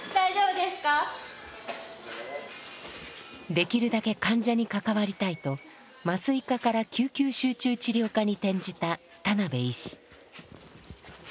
できるだけ患者に関わりたいと麻酔科から救急集中治療科に転じた田邉医師。